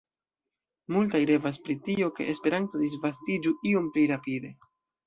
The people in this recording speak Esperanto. Multaj revas pri tio, ke Esperanto disvastiĝu iom pli rapide.